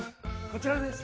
こちらです。